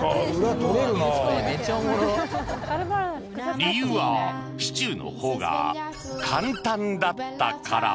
理由はシチューの方が簡単だったから